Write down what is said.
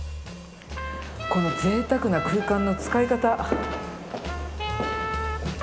このぜいたくな空間の使い方。